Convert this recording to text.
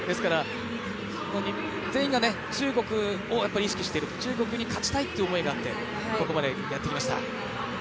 全員が中国を意識していると、中国に勝ちたいという思いがあってここまでやってきました。